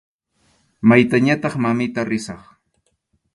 Maytañataq, mamita, risaq.